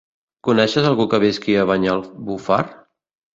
Coneixes algú que visqui a Banyalbufar?